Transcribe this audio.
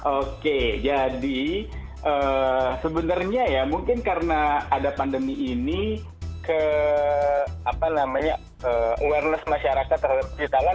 oke jadi sebenarnya ya mungkin karena ada pandemi ini ke apa namanya awareness masyarakat terhadap cuci tangan